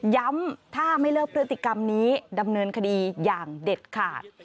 ย้ำถ้าไม่เลิกพฤติกรรมนี้ดำเนินคดีอย่างเด็ดขาด